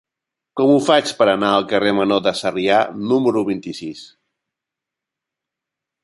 Com ho faig per anar al carrer Menor de Sarrià número vint-i-sis?